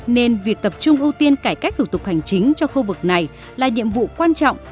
nên việc tập trung ưu tiên cải cách thủ tục hành chính cho khu vực này là nhiệm vụ quan trọng